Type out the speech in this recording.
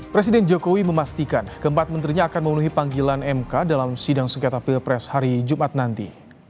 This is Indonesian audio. presiden jokowi memastikan keempat menterinya akan memenuhi panggilan mk dalam sidang sengketa pilpres hari jumat nanti